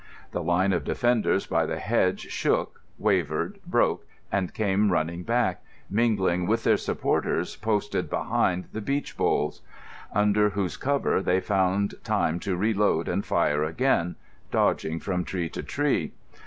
The line of defenders by the hedge shook, wavered, broke and came running back, mingling with their supporters posted behind the beech boles; under whose cover they found time to reload and fire again, dodging from tree to tree.